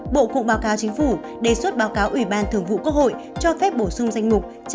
bộ cũng báo cáo chính phủ đề xuất báo cáo ủy ban thường vụ quốc hội cho phép bổ sung danh mục